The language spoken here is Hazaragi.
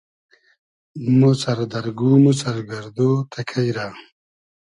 مۉ سئر دئر گوم و سئر گئردۉ تئکݷ رۂ